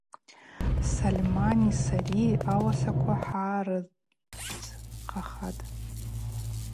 Сольмани сари ауасаква хӏгӏарыдзхъахатӏ.